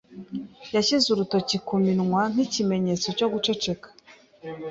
Yashyize urutoki ku minwa nk'ikimenyetso cyo guceceka.